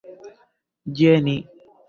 ĝeni